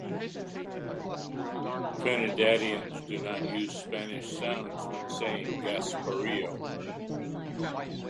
Trinidadians do not use Spanish sounds when saying Gasparillo.